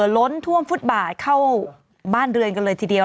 ล้นท่วมฟุตบาทเข้าบ้านเรือนกันเลยทีเดียว